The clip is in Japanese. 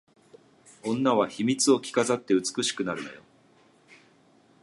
女は秘密を着飾って美しくなるのよ